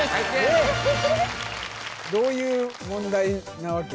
どういう問題なわけ？